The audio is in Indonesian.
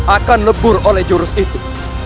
akan lebur oleh jurus itu